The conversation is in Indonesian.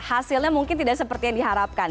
hasilnya mungkin tidak seperti yang diharapkan